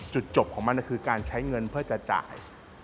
จุดจบของมันคือการใช้เงินเพื่อจะจ่าย